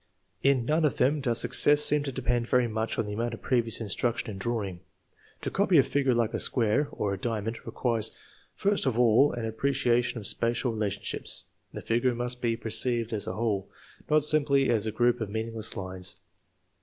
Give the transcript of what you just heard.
In none of them does success seem to depend very much on the amount of previous instruction in drawing. To copy a figure like a square or a diamond requires first of all an appreciation of spacial relationships. The figure must be perceived as a whole, not simply as a group of meaningless lines.